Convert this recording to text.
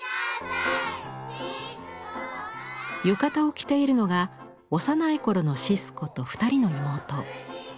浴衣を着ているのが幼い頃のシスコと２人の妹。